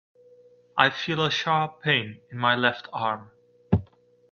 I feel a sharp pain in my left arm.